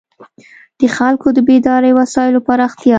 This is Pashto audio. د خلکو د بېدارۍ وسایلو پراختیا.